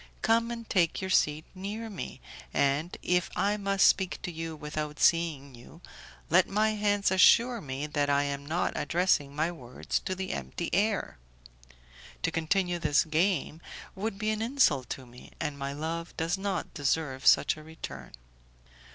Come and take your seat near me, and if I must speak to you without seeing you let my hands assure me that I am not addressing my words to the empty air. To continue this game would be an insult to me, and my love does not deserve such a return."